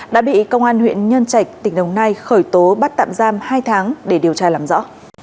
đã bị công an huyện nhân trạch tỉnh đồng nai khởi tố bắt tạm giam hai tháng để điều tra làm rõ